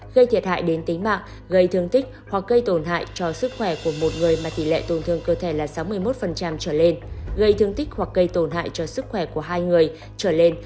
gây thiệt hại đến tính mạng từ ba người trở lên gây thương tích hoặc gây tổn hại sức khỏe cho ba người trở lên